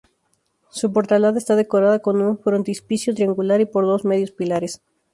Su portalada está decorada con un frontispicio triangular y por dos medios pilares.